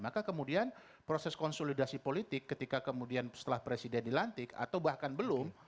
maka kemudian proses konsolidasi politik ketika kemudian setelah presiden dilantik atau bahkan belum